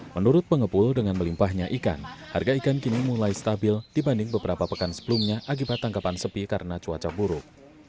menurut pengepul dengan melimpahnya ikan harga ikan kini mulai stabil dibanding beberapa pekan sebelumnya akibat tangkapan sepi karena cuaca buruk